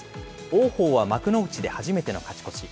王鵬は幕内で初めての勝ち越し。